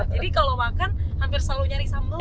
jadi kalau makan hampir selalu nyari sambel